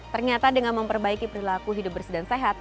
ternyata dengan memperbaiki perilaku hidup bersih dan sehat